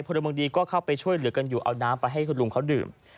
พลเมืองดีก็เข้าไปช่วยเหลือกันอยู่เอาน้ำไปให้คุณลุงเขาดื่ม